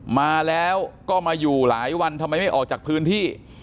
มาแล้วก็มาอยู่หลายวันทำไมไม่ออกจากพื้นที่